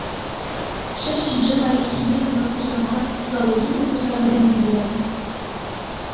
Ҫӗр ҫинче лайӑххнне кӑна курса мар, усаллине те курса вӗренме пулать.